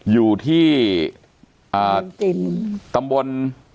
อยู่ที่ตำบล